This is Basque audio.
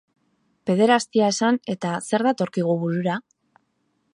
Pederastia esan eta zer datorkigu burura?